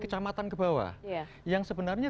kecamatan ke bawah yang sebenarnya